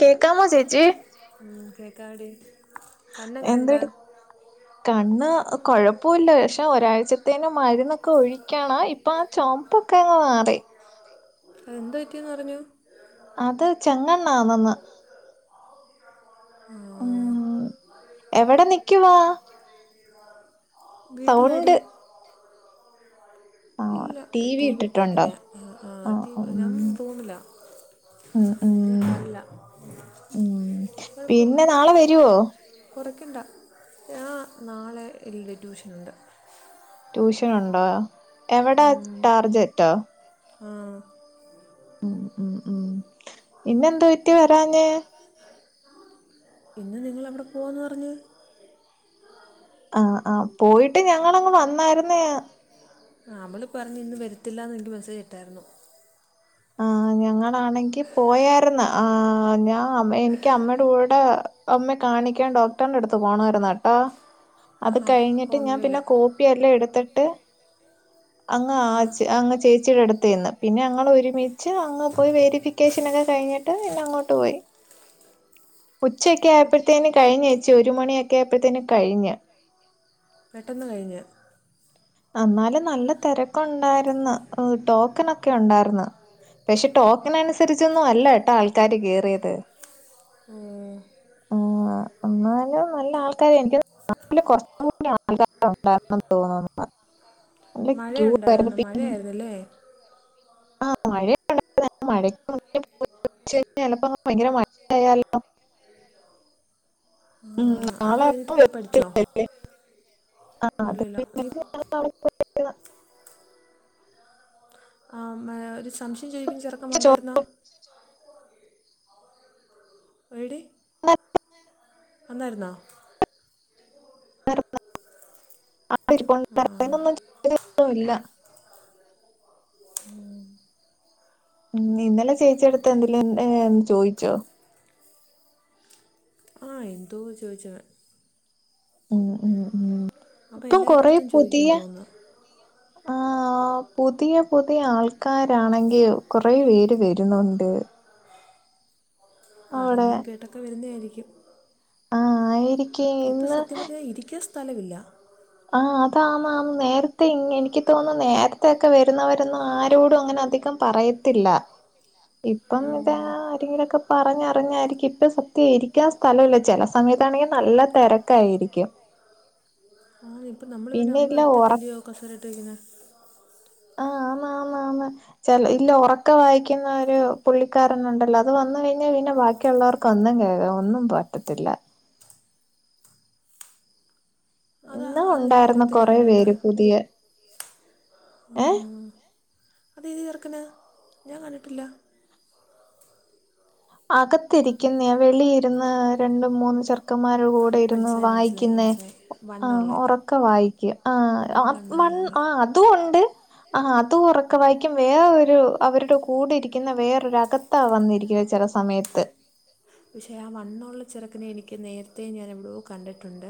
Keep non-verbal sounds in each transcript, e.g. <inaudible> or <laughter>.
കേക്കാമോ ചേച്ചി ഉം കേക്കാടി എന്തെട് കണ്ണ് കുഴപ്പില്ല പക്ഷെ ഒരാഴ്ചത്തേനും മരുന്നൊക്കെ ഒഴിക്കണഇ ഇപ്പൊ ആ ചുവപ്പ് ഒക്കെ അങ് മാറി എന്ത്പറ്റിയെന്ന് പറഞ്ഞു അത് ചെങ്ങണ്ണാണന്ന് ഉം വീട്ടിലാടി ഇല്ല ടിവി ഇട്ടിയേക്കുന്ന ആ ഞാൻ പോന്നില്ല <inaudible> കുഴപ്പല്ല - കുറക്കണ്ട ഞാൻനാളെ ഇല്ല ട്യൂഷനുണ്ട് ട്യൂഷൻ ഉണ്ടോ എവിട ടാർജറ്റോ ആഹ ഉം ഉം ഉം പിന്നെന്ത പറ്റി വരാഞ്ഞേ ഇന്ന് നിങ്ങൾ എവിടെ പോവാന്ന് പറഞ്ഞു ആഹ ആഹ് പോയിട്ട് ഞങ്ങളങ്ങ് വന്നായിരുന്നേ അവള് പറഞ്ഞ് ഇന്ന് വരത്തില്ലന്ന എനിക്ക് മെസ്സേജ് ഇട്ടായിരുന്നു ആ ഞങ്ങളാണെങ്കി പോയരുന്ന ആ ഞാൻ അമ്മ എനിക്ക് അമ്മയുടെ കൂടെ അമ്മെ കാണിക്കാൻ ഡോക്ടറിന്റെ അടുത്ത് പോണമായിരുന്ന കേട്ടോ അത് കഴിഞ്ഞിട്ട് ഞാൻ പിന്നെ കോപ്പ പ്പില്ലാം എടുത്തിട്ട് അങ്ങ് അ ചേച്ചി അടുത്ത ചെന്ന് പിന്ന ഞങ്ങൾ ഒര് മിച്ച് വാങ്ങാൻ പോയി വെരിഫിക്കേഷനൊക്കെ കഴിഞ്ഞിട്ട് പിന്നെ അങ്ങോട്ട് പോയി ഉച്ചയ്ക്കെ ആയപ്പോഴത്തേന് കഴിഞ്ഞ ചേച്ചി ഒരു മണിയൊക്കെ ആയപ്പോഴത്തേും കഴിഞ്ഞ പെട്ടെന്ന് കഴിഞ്ഞ അന്നാല് നല്ല തിരക്കുണ്ടായിന്നു ടോക്കാനൊക്കെ ഉണ്ടായിരുന്നു പക്ഷെ ടോക്കന അനുസരിച്ചൊന്നും അല്ല ട്ടോ ആൾക്കാാര് കേയറിയത് ആഹ് ആ എന്നാലും നല്ല ആൾക്കാരെ എനിക്ക് ആ കുറച്ചും കൂടി ആൾക്കാർ ഉണ്ടായെന്ന് തോന്നുന്നു മഴയുണ്ടായിരുന്നു മഴയായിരുന്നുല്ലേ ആ <unintelligible> മഴ <unintelligible> തണുപ്പ് മഴ ചിലപ്പോ <unintelligible> ഭയങ്ക <unintelligible> ര മഴ ആയാലോ ആ അത് കഴിഞ്ഞിട്ട് പോയി പഠിച്ചോ ഇല്ലല്ല നീ <unintelligible> ആ ഒരു സംശയം ചോയ്ക്കും ചെറ്ക്കം വന്നായിരുന്നോ വീഡി <unintelligible> അന്നായിരുന്നോ <unintelligible> ഉം ഇന്നലെ ചേച്ചെടുത്ത് എന്തേലും ഇണ്ട് ന്ന് ചോയ്ച്ചോ ആ എന്തോ ചോദിച്ച ഉം ഉം ഉംഇപ്പം കൊറേ പുതിയ ആ ആഹ് പുതിയ പുതിയ ആൾക്കാരാണെങ്കി കൊറേ പേര് വരുന്നുണ്ട് അറിഞ്ഞും കേട്ടൊക്കെ വരുന്നെ ആയിരിക്കും ഏടിക് ഇപ്പൊ സത്യം പറ്ഞ്ഞ ഇരിക്കാ സ്ഥലവില്ല ആ അതാ ന്നാന്ന് നേര്ത്തെ എനിക്ക് തോന്നുന്നു നേര്ത്തെ ഒക്കെ വരുന്നവരന്ന ആരോടും അങ്ങനെ അധികം പറയത്തില്ല ഇപ്പം ഇതാ ആരെങ്കിലു ഒക്കെ പറഞ്ഞറിഞ്ഞായിരിക്കും ഇപ്പ സത്യം ഇരിക്കാസ് സ്ഥല വില്ല ചെല സമയത്ത് ആണെങ്കി നല്ല തെരക്കായിരിക്കും ആ ഇപ്പ നമ്മള് പിന്നെ അങ് അറ്റത്തെല്യോ കസേരയിട്ട് ഇരിക്കുന്ന ആഹ് ആന്ന് ആന്ന് ആന്ന് ചെല ഇല്ല ഒറക്കെ വായിക്കുന്ന ഒരു പുള്ളിക്കാരൻ ഉണ്ടല്ലോ അത് വന്ന് കഴിഞ്ഞാൽ പിന്നെ വാക്കിയുള്ളവർക്ക് ഒന്നും കേക്കാ ഒന്നും പറ്റത്തില്ല ഇന്ന ഉണ്ടായിരുന്ന കൊറെ പേര് പുതിയ ഉം ഇത് എർക്ക്ന ഞാൻ കണ്ടിട്ടില്ല അകത്തിരിക്കുന്നെ വെളിയിരുന്ന് രണ്ടും മൂന്ന് ചെറുക്കാന്മാരെ കൂടി ടെ ഇരുന്നു വായിക്കുന്നെ ക്കെ വായിക്ക്യ ആഹ് മൺ ആ അത് ഉണ്ട് ആഹ് അത് ഒറക്കെ വായിക്കും. വേറരു അവരുടെ കൂടെ ഇരിക്കുന്ന വേറൊരു അകത്ത വന്നിരിക്കുന്ന ചെല സമയത്ത് പക്ഷേ ആ വണ്ണ ഒള്ള ചെറുക്കെനെ എനിക്ക് നേര്ത്തെ ഞാൻ എവിടെയോ കണ്ടിട്ടുണ്ട്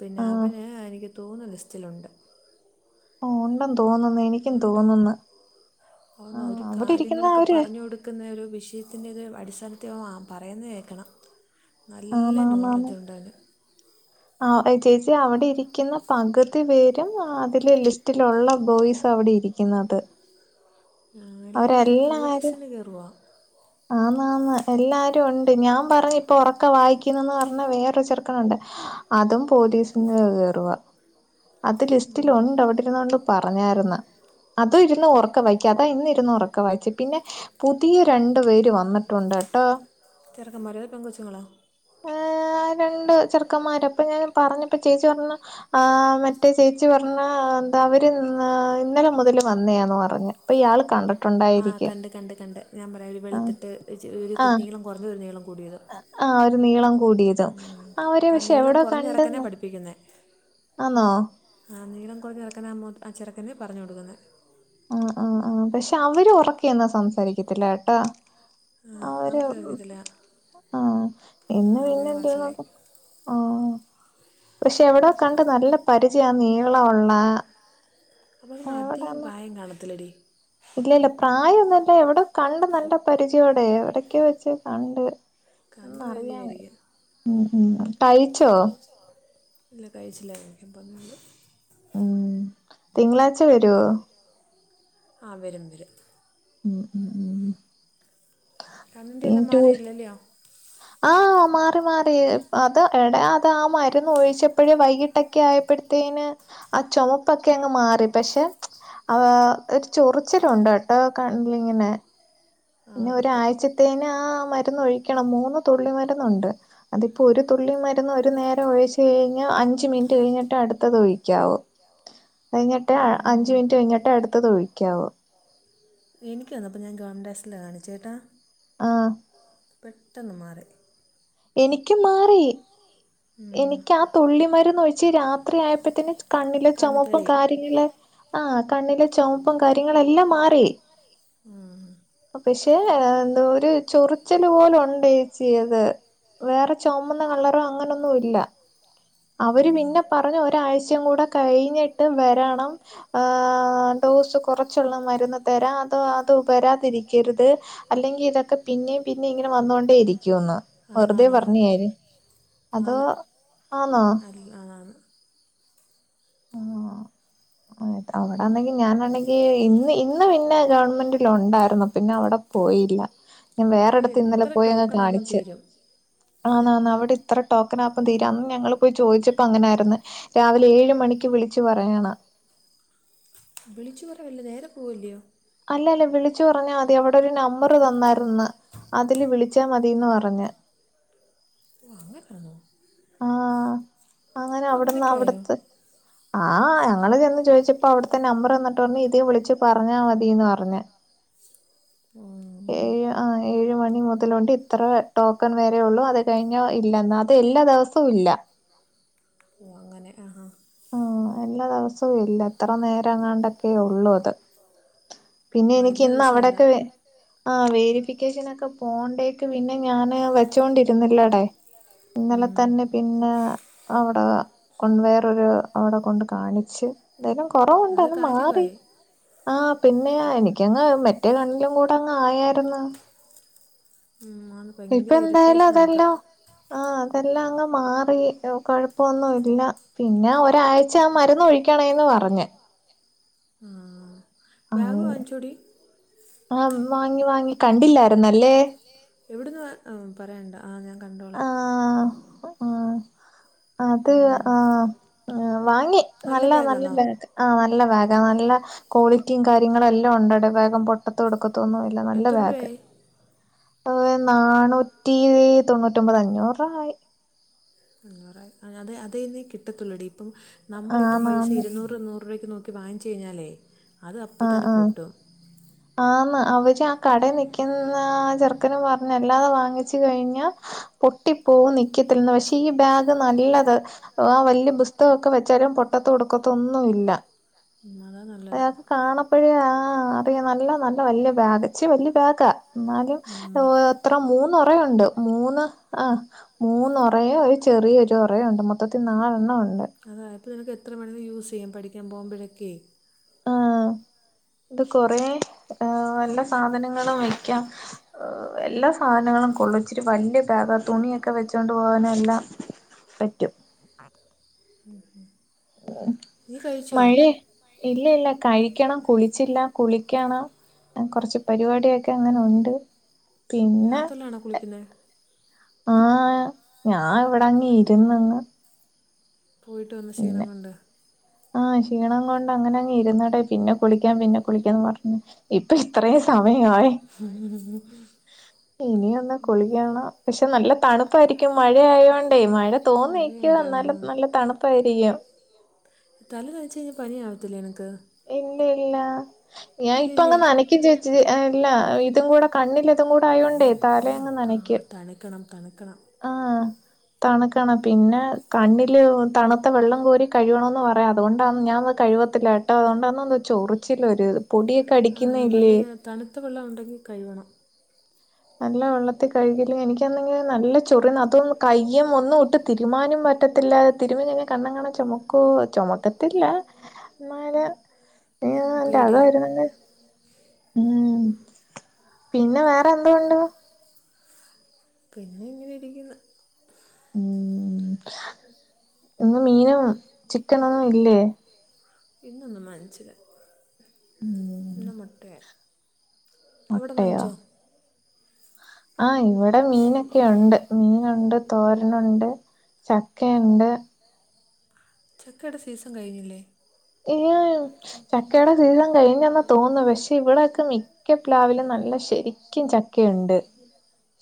പിന്നെ അവന് എനിക്ക് തോന്നു ലിസ്റ്റിലുണ്ട്. ഉം ഉണ്ടെന്ന് തോന്നുന്നു എനിക്ക്. ഉണ്ട് അന്ന് ഒരു കാര്യങ്ങളൊക്കെ പറഞ്ഞഞ് കൊടുക്ക- നിക്കുന്ന ഒരു വിഷയത്തിൻ്റെ ഒരു അടിസ്ഥാനത്തി ഓൻ ആഹ് പറയുന്നത് കേൾക്കണം. നല്ല നോളജ് ഉണ്ട് അവന്. ആഹ് ചേച്ചി അവിടെ ഇരിക്കുന്ന പകുതി പേരും അതില് ലിസ്റ്റിലുള്ള ബോയ്സ് അവിടെ ഇരി- ക്കുന്നത്. എല്ലാവരും ഈ പോലീസിന് കയറുവാ ആന്നന്ന് എല്ലാരും ഉണ്ട് ഞാൻ പറഞ്ഞ ഇപ്പൊ ഉറക്കെ വായിക്കുന്നന്ന് പറഞ്ഞാ വേറൊരു ചെറക്കനുണ്ട്. അതും പോലീസിന് കയറുക അത് ലിസ്റ്റിലുണ്ട് അവിടെ. എന്നോണ്ട് പറഞ്ഞാരുന്നു. അതും ഇരുന്ന് ഉറക്ക വായിക്ക അതാ ഇന്ന് ഇരുന്ന് ഉറക്ക വായിച്ചു പിന്നെ പുതിയ രണ്ട്- ണ്ട് പേര് വന്നിട്ടുണ്ട് കേട്ടോ. ചെറുക്കൻ മാരോ പെങ്കോച്ചുങ്ങളോ? ആഹ് രണ്ട് ചെറുക്കന്മാരൊപ്പൊ ഞാൻ പറഞ്ഞപ്പ ചേച്ചി പറഞ്ഞ് - ആ് മറ്റേ ചേച്ചി പറഞ്ഞ എന്താ അവര് ഇന്നലെ മുതല് വന്നേന്ന് പറഞ്ഞ്. ഇപ്പൊയാൾ കണ്ടിട്ട് - ആഹ് കണ്ട് കണ്ട് കണ്ട് ഞാൻ പറയാം ഒരു വെളുത്തിട്ട് ഒരു നീളം കുറഞ്ഞൊരു നീളം കൂടിയത് ആഹ് ഒരു നീളം കൂടിയത്. ആഹ് നീളം കുറ ഞ്ഞോരക്കനേ പഠിപ്പിക്കുന്നേ. ആഹ് നീളം കുറഞ്ഞറുക്കനാവുമ്പോ ആ ചെറുക്കന് പറഞ്ഞ് കൊടുക്കുന്നത്. ആഹ് ആഹ് ആഹ് പക്ഷെ അവര് ഉറക്കെയൊന്നും സംസാരിക്കത്തില്ലട്ടോ അവര് ആഹ് ഇന്ന് വരുന്നുണ്ട് ന്നൊക്കെ ‌ പക്ഷെ എവിടോ കണ്ട് നല്ല പരിചയ നീള ഒള്ള അപ്പ അധികം പ്രായം കാണത്തില്ലടി. ഇല്ല ഇല്ല പ്രായൊന്നുംല്ല എവിട കണ്ട് നല്ല പരിചയോടെ എവിടക്കെ വെച്ച് കണ്ട് ഒന്നറിയാൻ വയ്യ ഉം തയ്ച്ചോ? ല്ല കഴിച്ചില്ലാ <unintelligible> ഉം തിങ്കളാഴ്ച്ചവരുവോ? ആഹ് വരും വരും. ഉം ഉം ഉം കണ്ണിന്റെ എല്ലാം മാറിയില്ലല്ലയോ? ആഹ്. മാറി മാറി അത് എട അത് ആ മരുന്ന് ഒഴിച്ചപ്പോഴേ വൈകിട്ടൊക്കെ ആയപ്പോഴത്തേന്- ആഹ് ചുമപ്പൊക്കെ അങ്ങ് മാറി പക്ഷെ- ആഹ് ഒരു ചൊറിച്ചില് ഉണ്ട്ട്ടോ കണ്ണില്ങ്ങനെ. പിന്നെ ഒരാഴ്ചത്തേന് ആഹ് മരുന്ന് ഒഴിക്കണം മൂന്ന് തുള്ളി മരുന്നു ഉണ്ട്. അതിപ്പോൊ ഒരു തുള്ളി മരുന്ന് ഒരു നേരം ഒഴച്ച് കഴിഞ്ഞഞ് അഞ്ച മിനിറ്റ് കഴിഞ്ഞിട്ട് അടുത്തത് ഒഴിക്കാവു. കഴിഞ്ഞിട്ട് അഞ്ചു മിനിറ്റ് കഴിഞ്ഞിട്ട് അടുത്ത് തൊഴിക്കാവു. എനിക്ക് വന്നപ്പോ ഞാൻ ഗവൺമെന്റ് ആസ്സിലാ കാണിച്ചേട്ടാ. ആഹ് പെട്ടെന്ന് മാറി. എനിക്ക മാറി എനിക്ക് ആ തുള്ളി മരുന്ന് ഒഴിച്ച് രാത്രി ആയപ്പോത്തിനും- - കണ്ണിലെ ചുമപ്പും കാര്യങ്ങള് ആഹ് കണ്ണിലെ ചുമപ്പും കാര്യങ്ങളെല്ലാം മാറി. ആഹ് പക്ഷെ എന്താ ഒരു ചൊറിച്ചല് പോലെ ഉണ്ടേ ച്ചി യത് വേറെ ചുമന്ന കളറോ അങ്ങനെന്നുംല്ല അവര് പിന്നെ പറഞ്ഞു ഒരാഴ്ചയും കൂടെ കഴിഞ്ഞിട്ട് വരണം. ആഹ് ഡോസ് കുറച്ചുള്ള മരുന്ന് തരാം അത് അത് തരാതിരിക്കരുത് അല്ലെങ്കിൽ ഇതൊക്കെ പിന്നെയും പിന്നേ ഇങ്ങനെ വന്നോണ്ടേ ഇരിക്കൂന്ന്. വെറുതെ പറഞ്ഞായിര് അതോ ആന്നോ. ആഹ്. ആ അവിടെന്നെങ്കി ഞാനാണെങ്കി ഇന്ന് ഇന്ന് പിന്നെ ഗവൺമെന്റിലു ഉണ്ടായിരുന്നു. പിന്നെ അവിടെ. പോയില്ല ഞാൻ വേറെടത്ത് ഇന്നലെ പോയി അങ്ങ് കാണിച്ച്. ആഹ് ന്നാ ന്ന്. അവടെ ഇത്ര ടോകണ അപ്പം തീര അന്ന് ഞങ്ങള് പോയി ചോയ്ച്ചപ്പോ അങ്ങനെ ആയിര്ന്ന്. രാവിലെ ഏഴ് മണിക്ക് വിളിച്ചു പറയ്ണ്. വിളിച്ചു പറയല്ല നേരെ പോവല്യോ. അല്ല ല്ല വിളിച്ചു പറഞ്ഞാ മതി. അവിടെ ഒരു നമ്പർ തന്നാര്ന്ന്. അതില് വിളിച്ചാ മതിന്ന് പറഞ്. നെ കാണോ? ആഹ് അവന് അവിട്ന്ന് അവ്ട്ത്തെ. ആഹ് ഞങ്ങള് ചെന്ന് ചോയിച്ചപ്പോ അവിട്ത്തെ നമ്പർ തന്നിട്ട് പറഞ്ഞ് ഇതീ വിളിച്ചു പറഞ്ഞാ മതീന്ന് പറഞ്ഞ. ഉം. ഏഴ് ആഹ് ഏഴ് മണി മുതലുണ്ട്. ഇത്ര ടോക്കൺ വരേ ഒള്ളൂ അത് കഴിഞ്ഞ ഇല്ലന്ന അത് എല്ലാ ദിവസ ഓഹ് ഇല്ല ഓഹ് അങ്ങനെ ആഹാ. ആഹ് എല്ലാ ദിവസവും ഇല്ല ഇത്ര നേരങ്ങാണ്ടൊക്കെ ഉള്ളൂ അത്. പിന്നെ എനിക്ക് ഇന്ന് അവിടെൊക്കെ വെ ആഹ് വേരിഫിക്കേഷനോക്കെ പോണ്ടേക്ക് പിന്നെ ഞാന് വെച്ചോണ്ടിരുന്നില്ലടേ. ഇന്നലെ തന്നെ. പിന്നെ അവ്ടെ കൊൺ വേറൊരു അവടെ കൊണ്ട് കാണിച്ച്. എന്താലും കൊറവുണ്ട് അത്‌ മാറി ആഹ്. പിന്നെ എനിക്കങ്ങ് മറ്റേ കണ്ണിലും കൂടെ അങ്ങ് ആയായിരുന്ന്. ഉം ആണ് ഇപ്പ എന്തായാലും അതെല്ലം. ആഹ് അതെല്ലാം അങ്ങ് മാറി കൊഴപ്പൊന്നും ഇല്ല. പിന്നെ ഒരാഴ്ച ആ മരുന്ന് ഒഴിക്കണേന്ന് പറഞ്ഞ് ഉം ബാഗ് വാങ്ങിച്ചോടി. ആ വാങ്ങി വാങ്ങി കണ്ടില്ലായിരുന്നല്ലേ. എവിടന്ന് വാ ആഹ് പറയണ്ട ആഹ് ഞാൻ കണ്ടോളാ ആഹ് ആഹ്. അത് ആഹ് ആഹ് വാങ്ങി നല്ല നല്ല ബാഗ് ആഹ് നല്ല ബാഗാ നല്ല ക്വാളിറ്റി കാര്യങ്ങളല്ലാം ഉണ്ട്ടെ വേഗം പൊ ട്ടൊത്തും എടുക്കത്തൊന്നുംല്ല നല്ല ബാഗ്. ഏഹ് നാനൂറ്റി തൊണ്ണൂറ്റൊമ്പത് അഞ്ഞൂറ് രൂവായി. അഞ്ഞുറായി അത അത് ന്നെ കിട്ടത്തുള്ളൂടി ഇപ്പം നമ്മളിപ്പം പൈസ ഇരുന്നൂറ് ന്നൂറ് രൂപയ്ക്ക് നോക്കി വാങ്ങിച്ചു കഴിഞ്ഞാലേ അത് അപ്പത്തന്നെ പൊട്ടും. <unintelligible> ആന്ന് അവര് ആ കടെ നിക്കുന്ന ചെറുക്കനും പറഞ്ഞ അല്ലാതെ വാങ്ങിച്ചു കഴിഞ്ഞ പൊട്ടിപ്പോവും നിക്കത്തില്ല്ന്ന് പശെ ഈ ബാഗ് നല്ലത് ആഹ് വല്യ പുസ്തകൊക്കെ വെച്ചാലും പൊട്ടത്ത് ഇടുക്കത്തൊന്നുംല്ല. ഉം അതാ നല്ലത് ക് കാണപ്പോഴേ ആഹ് അറിയ നല്ല നല്ല വല്യ ബാഗ് ഇച്ചി വല്യ ബാഗാ. ഇന്നാലും ഓഹ് എത്ര മൂന്നു ഒറയുണ്ട് മൂന്ന് ആഹ്. മൂന്നു ഒറയും ഒരു ചെറിയൊരു ഒറയുംണ്ട് മൊത്തത്തിൽ നാലെണ്ണം ഒണ്ട്. അതെ അപ്പോ നിനക്ക് എത്ര വേണെങ്കിലും യൂസ് ചെയ്യാ പഠിക്കാൻ പോവുമ്പഴൊക്കെയ്. ആഹ് ഇത് കൊറേ നല്ല സാധനങ്ങളും വെക്കാം. എല്ലാ സാനങ്ങളും കൊള്ളും ഇച്ചിരി വല്യ ബാഗാ തുണിയൊക്കെ വെച്ചോണ്ട് പോകാനും എല്ലാം. പറ്റും. ഉം ഉം ഉം മഴേ. ഇല്ല ഇല്ല കഴിക്കണം കുളിച്ചില്ല കുളിക്കണം കുറച്ച് പരിപാടിയൊക്കെ അങ്ങനുണ്ട് പിന്നെ ആഹ ഞാൻ ഇവിടെങ്ങ് ഇരുന്നങ്ങ് പോയിട്ട് വന്ന ക്ഷീണം കൊണ്ട് ആഹ ക്ഷീണം കൊണ്ട് അങ്ങനെ അങ്ങ് ഇരുന്നടെ പിന്നെ കുളിക്കാം പിന്നെ കുളിക്കാന്ന് പറഞ്ഞ് ഇപ്പൊ ഇത്രയും സമയം ആയി ഇനി ഒന്ന് കുളിക്കണം പക്ഷെ നല്ല തണുപ്പായിരിക്കും മഴയാതോണ്ടേ മഴ തോന്നു നിക്കുവാ എന്നാലും നല്ല തണുപ്പ് പ്പായിരിക്കും തല നനച്ച് കഴിഞ്ഞാൽ പനി ആവത്തില്ലേ നിനക്ക് ഇല്ലല്ല ഞാൻ ഇപ്പ അങ്ങ് നനക്കും ചേച്ചി ഏഹ് ഇല്ല ഇതും കൂടെ കണ്ണിൽ ഇതും കൂടെ ആയോണ്ടേ തല അങ്ങ് നനക്കും ക്കണം തണുക്കണം ആഹ തണുക്കണം പിന്നെ കണ്ണില് തണുത്ത വെള്ളം കോരി കഴുകണംന്ന് പറയും അതുകൊണ്ടാണ് ഞാൻ കഴിവ ത്തിലാട്ടോ അതുകൊണ്ടാന്ന്തോന്നു ചൊറിച്ചിലൊരു പൊടിയൊ ആഹ് നല്ല തണുത്ത വെള്ളം ഉണ്ടെങ്കിൽ കഴുവണം നല്ല വെള്ളത്തിൽ കഴുകല് എനിക്കന്തെങ്കിലും നല്ല ചൊറി അതുംന്ന് കയ്യം ഒന്നും ഇട്ട് തിരുമ്മാനും പറ്റത്തില്ല തിരുമ്മി കഴിഞ്ഞാ കണ്ണെങ്ങാനും ചുമക്കുവോ ചുമക്കത്തില്ല മന പേടിയ ഉം പിന്നെ വേറെ എന്തൊണ്ട് പിന്നെ ഇങ്ങനെ ഇരിക്കുന്നു ഉം ഇന്ന് മീനും ചിക്കനൊന്നും ഇല്ലേ ഇന്നൊന്നും വാങ്ങിച്ചില്ല ഇന്ന് മുട്ടയാ അവിടെ വാങ്ങിച്ചോ ആഹ് ഇവിടെ മീനൊക്കെയുണ്ട് മീനുണ്ട് തോരനുണ്ട് ചക്കയൊണ്ട് ചക്കയുടെ സീസൺ കഴിഞ്ഞില്ലേ ഈ ചക്കയുടെ സീസൺ കഴിഞ്ഞന്നാ തോന്നുന്നേ പക്ഷേ ഇവിടൊക്കെ മി ക്ക പ്ലാവിലും നല്ല ശെരിക്കും ചക്കയുണ്ട്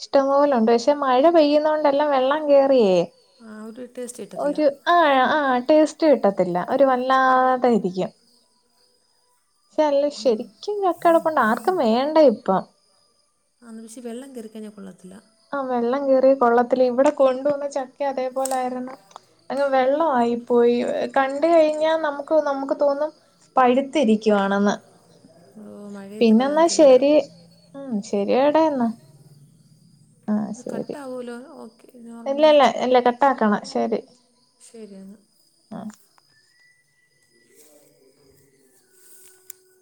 ഇഷ്ടംപോലുണ്ട് പക്ഷെ മഴ പെയ്യുന്ന കൊണ്ടെല്ലാം വെള്ളം കേറിയേ ആഹ് ഒരു ടേസ്റ്റ് കിട്ടത്തില്ല ആഹ് ആഹ് ഒരു ടേസ്റ്റ് കിട്ടത്തില്ല ഒരു വല്ലാതൊയിരിക്കും അല്ല ശെരിക്കും ചക്കകിടപ്പുണ്ട് ആർക്കും വേണ്ട ഇപ്പം ആന്ന് പക്ഷെ വെള്ളം കറിക്കഴിഞ്ഞാൽ കൊള്ളത്തില്ല ആഹ് വെള്ളം കേറിയാ കൊള്ളത്തില്ല ഇവിടെ കൊണ്ടു വന്ന ചക്ക അതേപോലെ ആരുന്നു അങ്ങ് വെള്ളം ആയി പോയി കണ്ട് കഴിഞ്ഞാൽ നമുക്ക് നമുക്ക് തോന്നും പഴുത്തിരിക്കുവാണെന്ന് പിന്നെന്നാ ശെരി ഉം ശരിയെട എന്നാ ഇത് ക്ട്ട ആവുല്ലോ ഓക്കെ ഇല്ല ഇല്ല ഇല്ല കട്ടാക്കണം ശെരി ശെരിയെന്നാ